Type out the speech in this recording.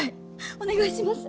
お願いします。